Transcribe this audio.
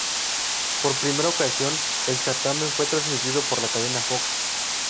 Por primera ocasión, el certamen fue transmitido por la cadena Fox.